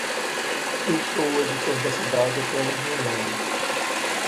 Eu sou o editor da cidade apenas no nome.